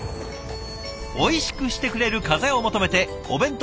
おいしくしてくれる風を求めてお弁当